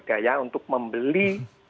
daya untuk membeli